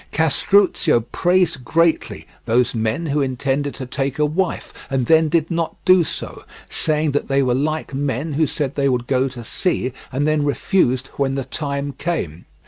Castruccio praised greatly those men who intended to take a wife and then did not do so, saying that they were like men who said they would go to sea, and then refused when the time came.